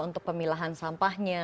untuk pemilahan sampahnya